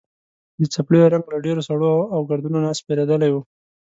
د څپلیو رنګ له ډېرو سړو او ګردونو نه سپېرېدلی و.